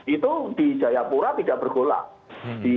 itu di jayapura tidak bergolak